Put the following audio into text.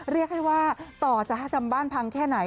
เรียกให้ว่าต่อจะให้จำบ้านพังแค่ไหน